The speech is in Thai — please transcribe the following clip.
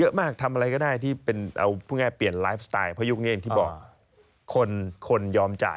จากชุครนิยห์